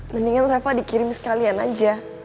mendingan rafa dikirim sekalian aja